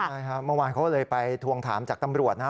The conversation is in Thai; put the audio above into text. ใช่ครับเมื่อวานเขาเลยไปทวงถามจากตำรวจนะ